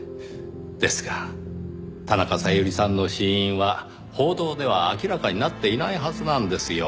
ですが田中小百合さんの死因は報道では明らかになっていないはずなんですよ。